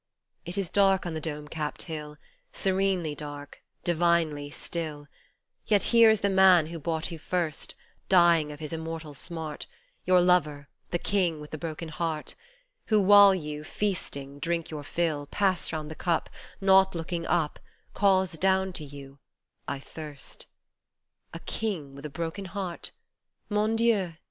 It is dark on the dome capped hill, Serenely dark, divinely still, Yet here is the Man who bought you first Dying of his immortal smart, Your Lover, the King with the broken heart, Who while you, feasting, drink your fill, Pass round the cup Not looking up, Calls down to you, " I thirst." " A king with a broken heart ! Mon Dieu